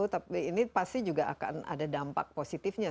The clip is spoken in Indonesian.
tapi ini pasti juga akan ada dampak positifnya